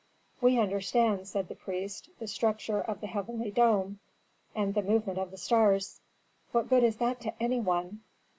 "We understand," said the priest, "the structure of the heavenly dome and the movement of the stars." "What good is that to any one?"